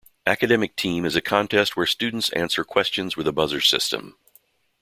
Academic team is a contest where students answer questions with a buzzer system.